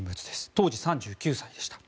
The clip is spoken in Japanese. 当時、３９歳でした。